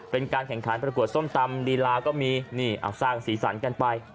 เป็นการแข่งขันประกวดส้มตำลีลาก็มีนี่สร้างสีสันกันไป